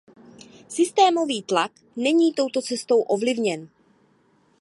Systémový tlak není touto cestou ovlivněn.